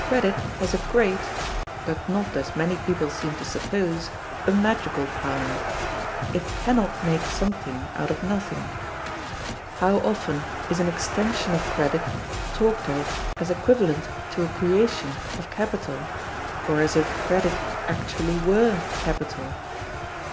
Credit has a great, but not, as many people seem to suppose, a magical power; it can not make something out of nothing. How often is an extension of credit talked of as equivalent to a creation of capital, or as if credit actually were capital!